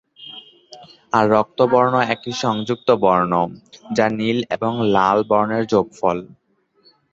আর রক্তবর্ণ একটি সংযুক্ত বর্ণ, যা নীল এবং লাল বর্ণের যোগফল।